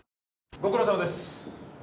ご苦労さまです。